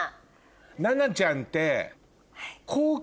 奈々ちゃんて。